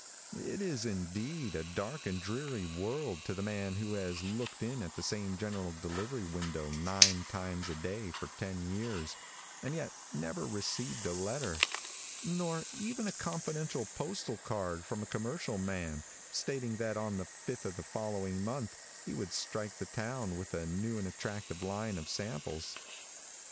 It is, indeed, a dark and dreary world to the man who has looked in at the same general delivery window nine times a day for ten years, and yet never received a letter, nor even a confidential postal card from a commercial man, stating that on the 5th of the following month he would strike the town with a new and attractive line of samples.